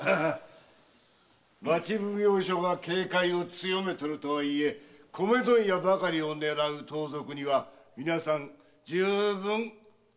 町奉行所が警戒を強めてるとはいえ米問屋ばかりを狙う盗賊には皆さん充分ご注意くださいな。